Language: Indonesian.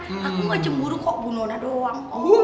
aku gak jemburu kok budona doang